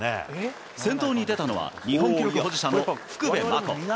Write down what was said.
先頭に出たのは、日本記録保持者の福部真子。